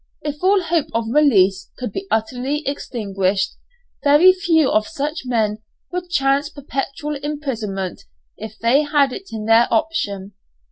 If all hope of release could be utterly extinguished, very few of such men would chance perpetual imprisonment, if they had it in their option.